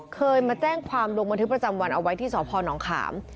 เคยมาแจ้งความลงบันทึกประจำวันเอาไว้ที่สพนขาม